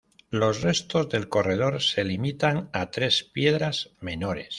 Los restos del corredor se limitan a tres piedras menores.